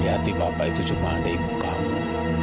hati hati bapak itu cuma ada ibu kamu